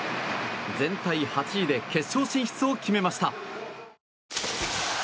全体８位で決勝進出を決めました。